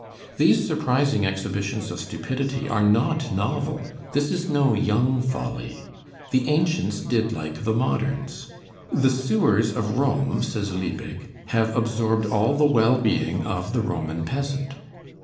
These surprising exhibitions of stupidity are not novel; this is no young folly. The ancients did like the moderns. "The sewers of Rome," says Liebig, "have absorbed all the well being of the Roman peasant."